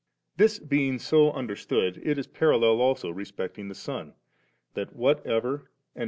This being so understood, it is parallel also respecting the Son, that whatever, and • b.